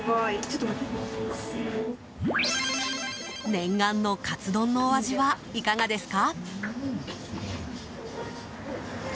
念願のかつ丼のお味はいかがですか？